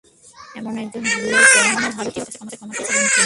এমন একটি ভুল পণ্যের প্রচারের জন্য ভারতবাসীর কাছে ক্ষমা চেয়েছেন তিনি।